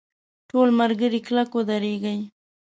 ټول ملګري کلک ودرېږئ!.